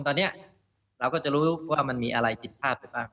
ตอนนี้เราก็จะรู้ว่ามันมีอะไรผิดภาพหรือเปล่า